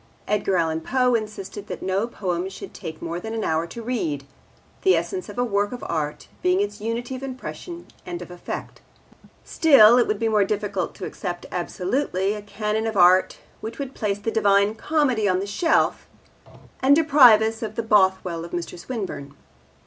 Edgar Allan Poe insisted that no poem should take more than an hour to read, the essence of a work of art being its unity of impression and of effect. Still, it would be difficult to accept absolutely a canon of art which would place the Divine Comedy on the shelf and deprive us of the Bothwell of Mr. Swinburne.